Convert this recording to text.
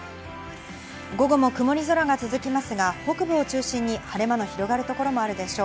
午後も曇り空が続きますが、北部を中心に晴れ間が広がる所があるでしょう。